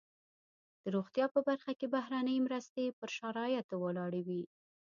د روغتیا په برخه کې بهرنۍ مرستې پر شرایطو ولاړې وي.